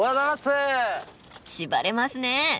しばれますね。